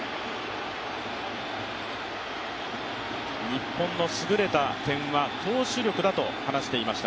日本の優れた点は投手力だと話していました